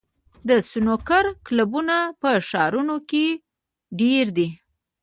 د سنوکر کلبونه په ښارونو کې ډېر دي.